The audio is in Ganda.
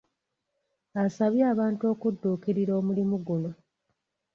Asabye abantu okudduukirira omulimu guno.